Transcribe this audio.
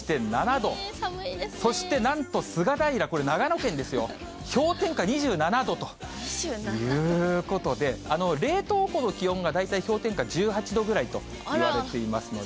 そしてなんと菅平、長野県ですよ、氷点下２７度ということで、冷凍庫の気温が大体氷点下１８度ぐらいといわれていますので。